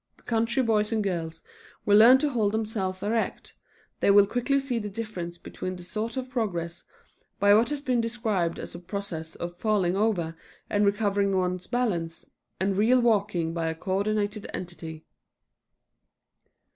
The country boys and girls will learn to hold themselves erect, they will quickly see the difference between the sort of progress by what has been described as a process of falling over and recovering one's balance, and real walking by a coördinated entity.